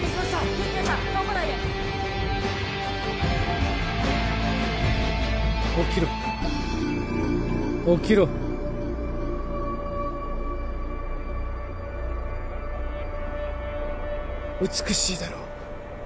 ・救急車倉庫内へ起きろ起きろ美しいだろう